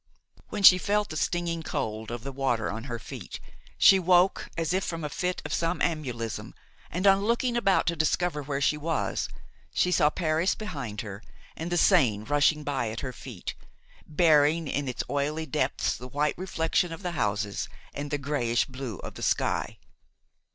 When she felt the stinging cold of the water on her feet, she woke as if from a fit of somnambulism, and on looking about to discover where she was, saw Paris behind her and the Seine rushing by at her feet, bearing in its oily depths the white reflection of the houses and the grayish blue of the sky.